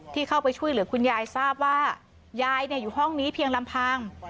เข้าไปช่วยเหลือคุณยายทราบว่ายายอยู่ห้องนี้เพียงลำพัง